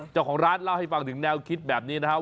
เจ้าของร้านเล่าให้ฟังถึงแนวคิดแบบนี้นะครับ